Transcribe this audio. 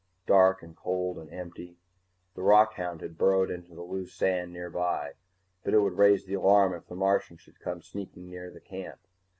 Dark and cold and empty. The rockhound had burrowed into the loose sand nearby, but it would raise the alarm if the Martian should come sneaking near the camp.